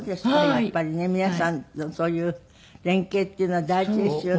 やっぱりね皆さんのそういう連携っていうのは大事ですよね。